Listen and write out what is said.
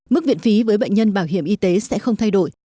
mức viện phí với bệnh nhân bảo hiểm y tế sẽ không thay đổi